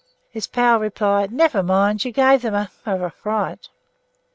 His pal replied "Never mind, you gave them a of a fright."